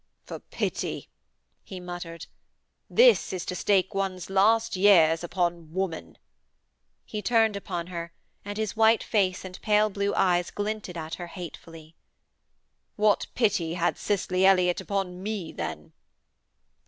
'For pity,' he muttered. 'This is to stake one's last years upon woman.' He turned upon her, and his white face and pale blue eyes glinted at her hatefully. 'What pity had Cicely Elliott upon me then?'